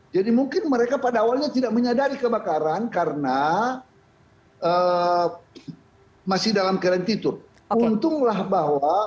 jadi mungkin mereka pada awalnya tidak menyadari kebakaran karena masih dalam karantina